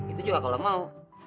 itu juga kalau mau